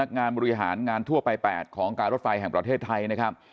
เป็นพนักงานมุริหารงานทั่วปลายของการรถไฟแห่งประเทศไทยนะครับ